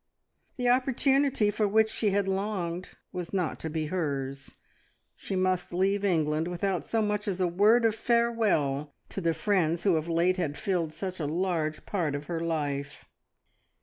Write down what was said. The opportunity for which she had longed was not to be hers; she must leave England without so much as a word of farewell to the friends who of late had filled such a large part of her life.